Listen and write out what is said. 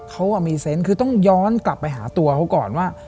เขามีเซนต์คือต้องย้อนกลับไปหาตัวเขาก่อนว่า